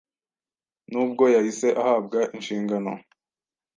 nubwo yahise ahabwa inshingano